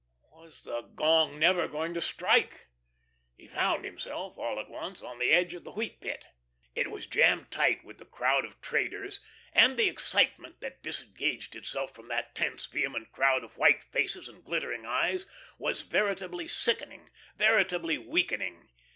Was the gong never going to strike? He found himself, all at once, on the edge of the Wheat Pit. It was jammed tight with the crowd of traders and the excitement that disengaged itself from that tense, vehement crowd of white faces and glittering eyes was veritably sickening, veritably weakening.